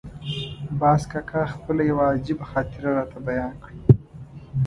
باز کاکا خپله یوه عجیبه خاطره راته بیان کړه.